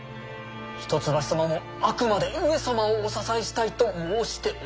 一橋様もあくまで上様をお支えしたいと申しておいでです。